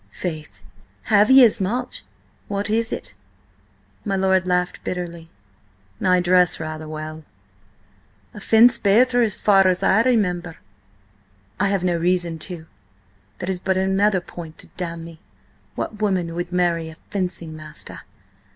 "Faith, have ye as much? What is it?" My lord laughed bitterly. "I dress rather well." "And fence better, as far as I remember." "I have reason to. That is but another point to damn me. What woman would marry a fencing master?